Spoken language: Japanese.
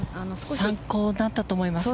参考になったと思いますね。